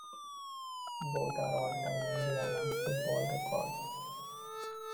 Both are all-time Indiana football records.